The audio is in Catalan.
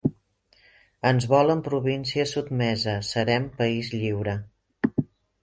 Ens volen província sotmesa, serem país lliure.